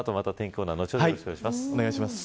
コーナー後ほどよろしくお願いします。